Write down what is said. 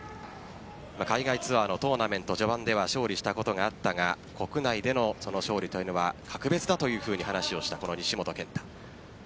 海外ツアーのトーナメント序盤では勝利したことがあったが国内での勝利というのは格別だと話をした、この西本拳太。